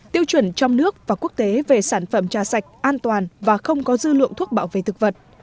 tiêu chuẩn trong nước và quốc tế về sản phẩm trà sạch an toàn và không có dư lượng thuốc bảo vệ thực vật